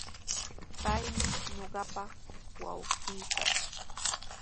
Paymi ñuqapa wawqiiqa.